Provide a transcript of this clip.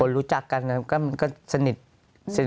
คนรู้จักกันก็สนิทกัน